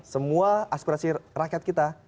semua aspirasi rakyat kita